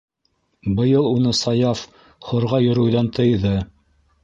Быйыл уны Саяф хорға йөрөүҙән тыйҙы.